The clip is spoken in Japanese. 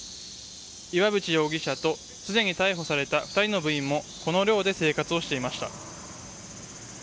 岩渕容疑者とすでに逮捕された２人の部員もこの寮で生活をしていました。